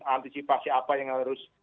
antisipasi apa yang harus